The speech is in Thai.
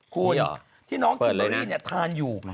คุณที่น้องกินเยลลี่เนี่ยทานอยู่